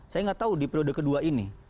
saya nggak tahu di periode kedua ini